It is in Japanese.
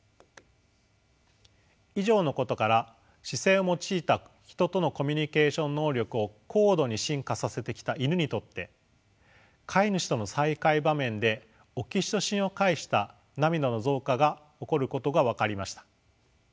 以上のことから視線を用いたヒトとのコミュニケーション能力を高度に進化させてきたイヌにとって飼い主との再会場面でオキシトシンを介した涙の増加が起こることが分かりました。